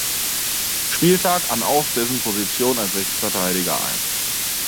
Spieltag an auf dessen Position als rechten Verteidiger ein.